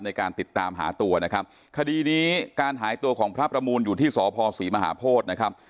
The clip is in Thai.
ในการติดตามหาตัวนะครับคดีนี้การหายตัวของพระประมูลอยู่ที่สพศรีมหาโพธินะครับ